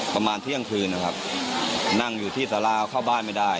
ประมาณเที่ยงคืนนะครับนั่งอยู่ที่สาราเข้าบ้านไม่ได้